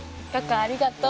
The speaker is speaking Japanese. ありがとう。